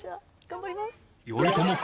頑張ります。